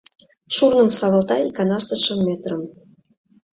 Шурным савалта иканаште шым метрым